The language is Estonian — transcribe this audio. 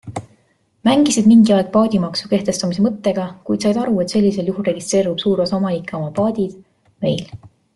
Mängisid mingi aeg paadimaksu kehtestamise mõttega, kuid said aru, et sellisel juhul registreerib suur osa omanikke oma paadid meil.